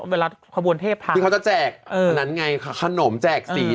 เวลาขบวนเทศพาลก็จะแจกอันนั้นไงขนมจากสี